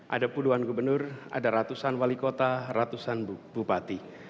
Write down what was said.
ada puluhan gubernur ada ratusan wali kota ratusan bupati